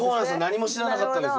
何も知らなかったです